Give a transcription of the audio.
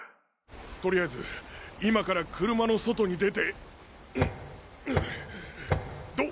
とりあえず今から車の外に出てうっうっ。